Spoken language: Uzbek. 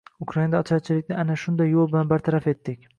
Ukrainada ocharchilikni ana shunday yo‘l bilan bartaraf etdik.